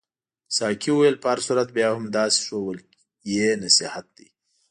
ساقي وویل په هر صورت بیا هم داسې ښودل یې نصیحت دی.